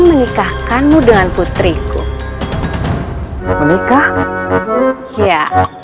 menikahkanmu dengan putriku menikah